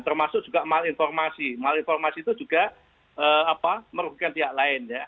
termasuk juga malinformasi malinformasi itu juga merugikan pihak lain